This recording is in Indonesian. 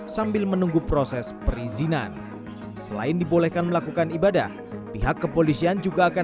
sambil menunggu proses perizinan selain dibolehkan melakukan ibadah pihak kepolisian juga akan